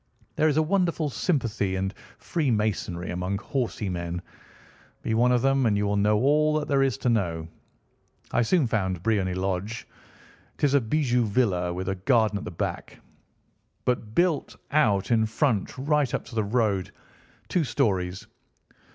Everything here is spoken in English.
There is a wonderful sympathy and freemasonry among horsey men. Be one of them, and you will know all that there is to know. I soon found Briony Lodge. It is a bijou villa, with a garden at the back, but built out in front right up to the road, two stories.